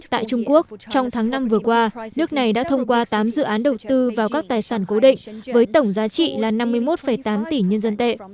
tại trung quốc trong tháng năm vừa qua nước này đã thông qua tám dự án đầu tư vào các tài sản cố định với tổng giá trị là năm mươi một tám tỷ nhân dân tệ